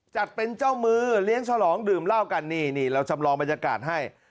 จัดเป็นเจ้ามือเลี้ยงฉลองดื่มเหล้ากันนี่นี่เราจำลองบรรยากาศให้